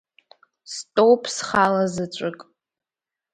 Стәоуп схала заҵәык.